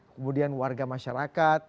kemudian warga masyarakat